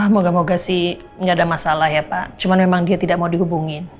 moga moga sih nggak ada masalah ya pak cuma memang dia tidak mau dihubungin